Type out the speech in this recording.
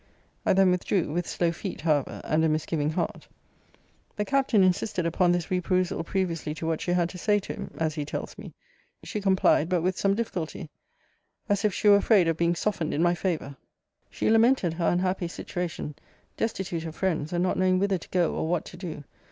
I then withdrew; with slow feet, however, and a misgiving heart. The Captain insisted upon this re perusal previously to what she had to say to him, as he tells me. She complied, but with some difficulty; as if she were afraid of being softened in my favour. She lamented her unhappy situation; destitute of friends, and not knowing whither to go, or what to do.